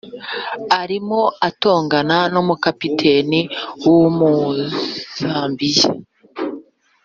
arimo atongana n' umu capitaine w' umuzambiya!